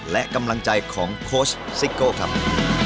และกำลังใจของโค้ชซิโก้ครับ